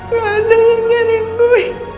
gak ada yang nyariin gue